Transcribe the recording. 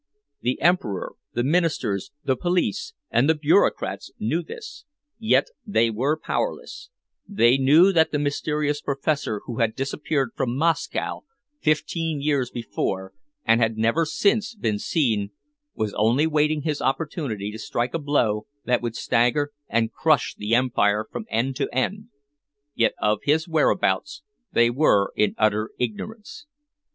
The Emperor, the Ministers, the police, and the bureaucrats knew this, yet they were powerless they knew that the mysterious professor who had disappeared from Moscow fifteen years before and had never since been seen was only waiting his opportunity to strike a blow that would stagger and crush the Empire from end to end yet of his whereabouts they were in utter ignorance.